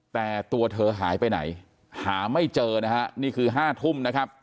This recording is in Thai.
แต่ตัวเธอหายไปไหนหาไม่เจอนะฮะนี่คือ๕ทุ่มนะครับ